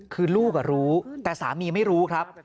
คือลูกรู้แต่สามีไม่รู้ครับ